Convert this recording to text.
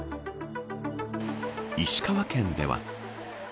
石川県では。